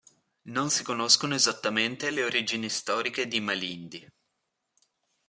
Non si conoscono esattamente le origini storiche di Malindi.